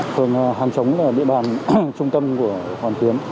phường hàng chống là địa bàn trung tâm của hoàn kiếm